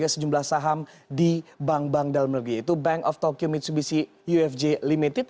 sejumlah saham di bank bank dalam negeri yaitu bank of tokyo mitsubishi ufj limited